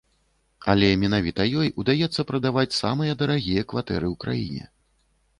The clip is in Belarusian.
Але менавіта ёй удаецца прадаваць самыя дарагія кватэры ў краіне.